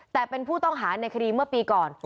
แต่เป็นผู้ต้องหาในคดีเมื่อปีก่อน